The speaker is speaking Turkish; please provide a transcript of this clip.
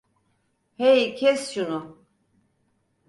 Hey, kes şunu!